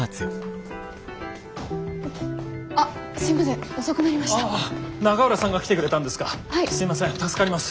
すいません助かります。